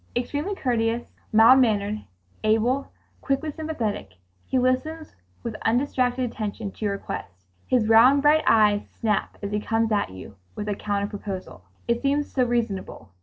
Extremely courteous, mild mannered, able, quickly sympathetic, he listens with undistracted attention to your request. His round bright eyes snap as he comes at you with a counter proposal. It seems so reasonable.